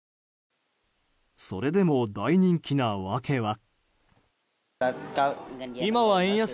それでも大人気な訳は。